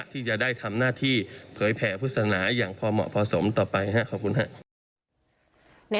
ที่จะได้ทำหน้าที่เผยแผ่พุทธศนาอย่างพอเหมาะพอสมต่อไปขอบคุณครับ